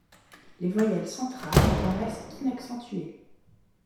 Les voyelles centrales n'apparaissent qu'inaccentuées.